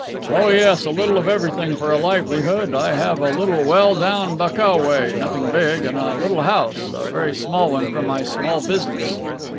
"Oh, yes, a little of everything for a livelihood. I have a little well down Bakou way, nothing big; and a little house, a very small one for my small business."